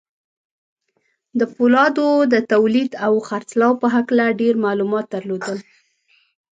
د پولادو د توليد او خرڅلاو په هکله ډېر معلومات درلودل.